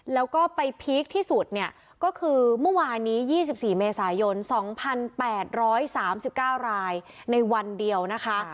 แล้วก็ไปพีคที่สุดเนี่ยก็คือเมื่อวานนี้๒๔เมษายน๒๘๓๙รายในวันเดียวนะคะ